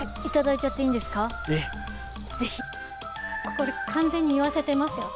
これ、完全に言わせてますよね。